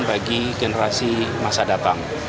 bagi generasi masa datang